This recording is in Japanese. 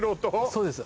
そうです